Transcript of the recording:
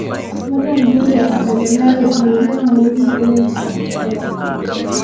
Muda mzuri wa kutembelea ni kuanzia mwezi Juni mpaka Septemba